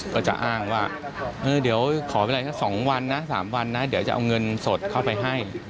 ก็จะอ้างว่าเดี๋ยวขอเวลาสัก๒วันนะ๓วันนะเดี๋ยวจะเอาเงินสดเข้าไปให้